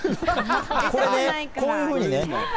これね、こういうふうにね。